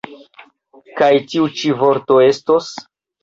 Kaj tiu ĉi vorto estos?